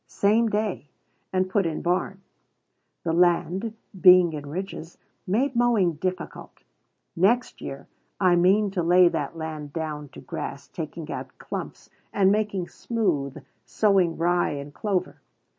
same day, and put in barn. The land, being in ridges, made mowing difficult. Next year I mean to lay that land down to grass, taking out stumps, and making smooth, sowing rye and clover.